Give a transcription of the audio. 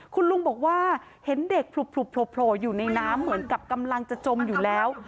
คุณลุงบอกว่าเห็นเด็กผลุบโผล่อยู่ในน้ำเหมือนกับกำลังจะจมอยู่แล้ว